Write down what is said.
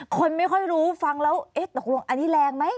คนไม่ค่อยรู้ฟังแล้วเอ๊ะตกลงอันนี้แรงไหม